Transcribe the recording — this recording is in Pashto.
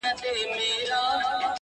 له دې زړو نه ښې ډبري د صحرا وي,